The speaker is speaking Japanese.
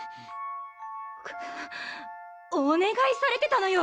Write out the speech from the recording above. お願いされてたのよ